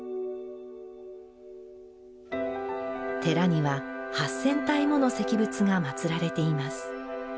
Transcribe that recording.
寺には８０００体もの石仏がまつられています。